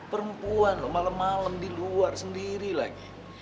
perempuan loh malem malem di luar sendiri lagi